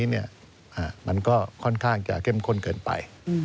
อย่างนี้มันก็ค่อนข้างจะเข้มข้นเกินไป